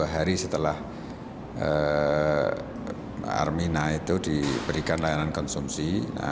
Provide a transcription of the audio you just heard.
hari setelah armina itu diberikan layanan konsumsi